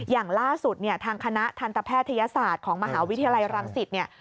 อย่างล่าสุดเนี่ยทางคณะทันตแพทยศาสตร์ของมหาวิทยาลัยรังสิตเนี่ย